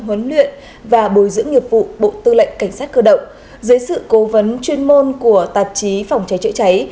huấn luyện và bồi dưỡng nghiệp vụ bộ tư lệnh cảnh sát cơ động dưới sự cố vấn chuyên môn của tạp chí phòng cháy chữa cháy